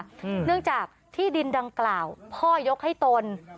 เนื่องจากที่ดินดังกล่าวพ่อยกให้ตน